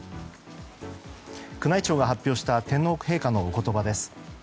宮内庁が発表した天皇陛下のお言葉です。